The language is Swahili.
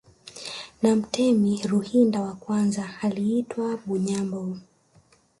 Na mtemi Ruhinda wa kwanza aliitwa Bunyambo